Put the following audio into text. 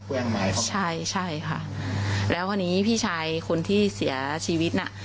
แว่งไม้ใช่ใช่ค่ะแล้ววันนี้พี่ชายคนที่เสียชีวิตน่ะ